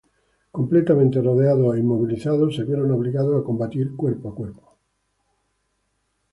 Completamente rodeados e inmovilizados, se vieron obligados a combatir cuerpo a cuerpo.